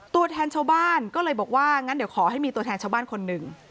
ตัวแทนชาวบ้านก็เลยบอกว่างั้นเดี๋ยวขอให้มีตัวแทนชาวบ้านคนหนึ่ง